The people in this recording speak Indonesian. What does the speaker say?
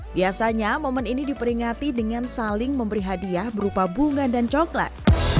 biasanya momen ini diperingati dengan saling memberi hadiah berupa bunga dan coklat